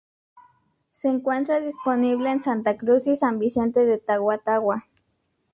Se encuentra disponible en Santa Cruz y San Vicente de Tagua Tagua.